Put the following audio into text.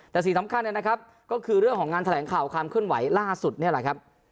แต่สิ่งสำคัญนะครับก็คือเรื่องของงานแถลงข่าวความเคลื่อนไหวล่าสุดนี่แหละครับ